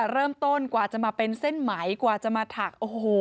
เริ่มต้นกว่าจะมาเป็นเส้นไหมกว่าจะมาถักโอ้โห